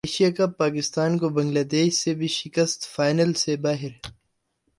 Asia cup Pakistan کو Bangladesh سے بھی شکست فائنل سے باہر